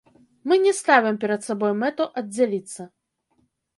Мы не ставім перад сабой мэту аддзяліцца.